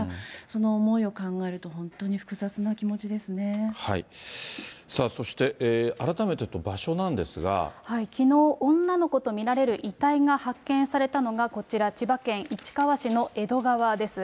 その思いを考えると、そして、きのう、女の子と見られる遺体が発見されたのがこちら、千葉県市川市の江戸川です。